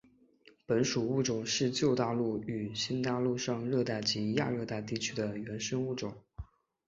本属物种是旧大陆和新大陆上热带及亚热带地区的原生物种。